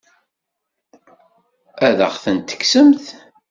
Ad aɣ-tent-tekksemt?